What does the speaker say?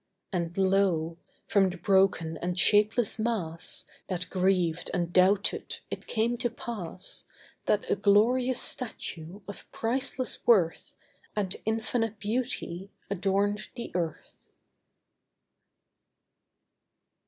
And lo! from the broken and shapeless mass That grieved and doubted, it came to pass That a glorious statue of priceless worth And infinite beauty, adorned the earth.